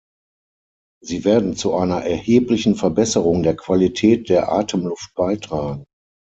Sie werden zu einer erheblichen Verbesserung der Qualität der Atemluft beitragen.